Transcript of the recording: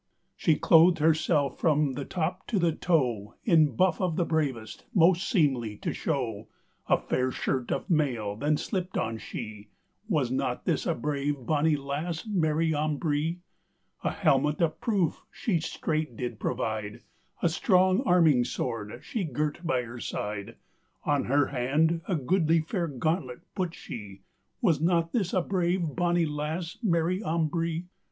She clothed herselfe from the top to the toe In buffe of the bravest, most seemelye to showe; A faire shirt of male then slipped on shee: Was not this a brave bonny lasse, Mary Ambree? A helmett of proofe shee strait did provide, A stronge arminge sword shee girt by her side, On her hand a goodly faire gauntlett put shee: Was not this a brave bonny lasse, Mary Ambree?